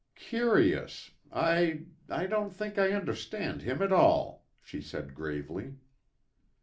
"Curious. I I don't think I understand him at all," she said gravely.